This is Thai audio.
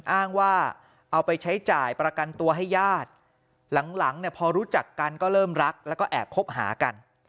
อ้างว่าเอาไปใช้จ่ายประกันตัวให้ญาติหลังเนี่ยพอรู้จักกันก็เริ่มรักแล้วก็แอบคบหากัน